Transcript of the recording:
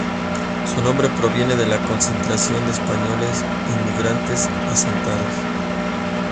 Su nombre proviene de la concentración de españoles inmigrantes asentados.